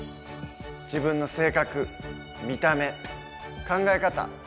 自分の性格見た目考え方